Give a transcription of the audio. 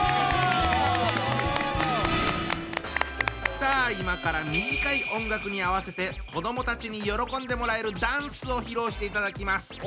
さあ今から短い音楽に合わせて子どもたちに喜んでもらえるダンスを披露していただきます。